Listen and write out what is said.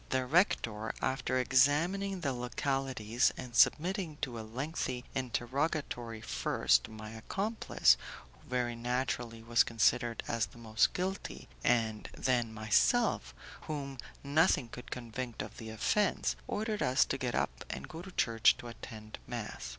The rector, after examining the localities and submitting to a lengthy interrogatory first my accomplice, who very naturally was considered as the most guilty, and then myself, whom nothing could convict of the offence, ordered us to get up and go to church to attend mass.